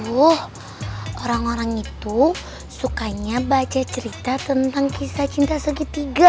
aduh orang orang itu sukanya baca cerita tentang kisah cinta segitiga